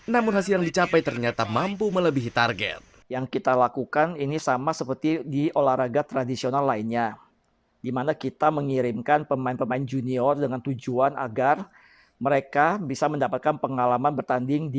namun hasil yang dicapai ternyata mampu melebihi target